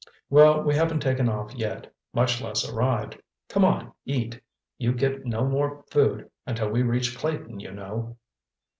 "Well, we haven't taken off yet—much less arrived. Come on, eat. You get no more food until we reach Clayton, you know."